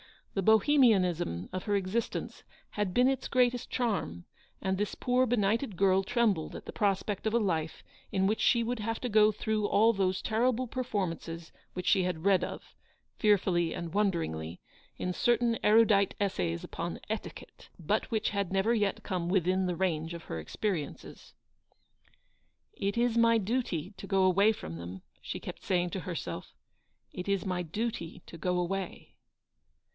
The Bohe mianism of her existence had been its greatest charm ; and this poor benighted girl trembled at the prospect of a life in which she would have to go through all those terrible performances which she had read of, fearfully and wonderingly, in certain erudite essays upon Etiquette, but which had never yet come within the range of her experiences. " It is my duty to go away from them," she kept saying to herself; " it is my duty to go away."